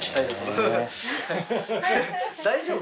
大丈夫？